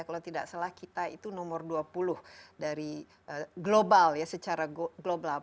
kalau tidak salah kita itu nomor dua puluh dari global ya secara global